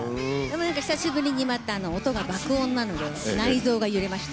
久しぶりにまた音が爆音なので内臓が揺れまして。